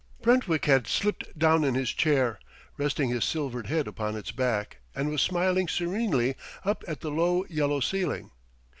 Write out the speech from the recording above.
Brentwick had slipped down in his chair, resting his silvered head upon its back, and was smiling serenely up at the low yellow ceiling.